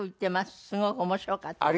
すごく面白かったです。